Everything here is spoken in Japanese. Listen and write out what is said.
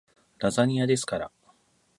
ラザニアですから